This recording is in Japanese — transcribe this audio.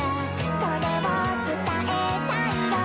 「それを伝えたいよ」